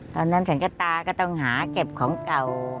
ตอนนั้นฉันก็ตาก็ต้องหาเก็บของเก่า